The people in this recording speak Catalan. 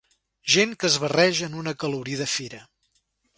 Gent que es barreja en una acolorida fira